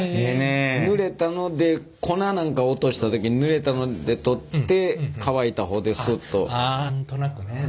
ぬれたので粉なんか落とした時にぬれたので取って乾いた方でスッと。